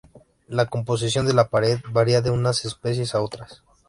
La composición de la pared varía de unas especies a otras.